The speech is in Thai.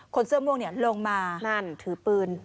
คนเสื้อม่วงลงมานั่นถือปืน